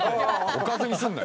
おかずにすんなよ。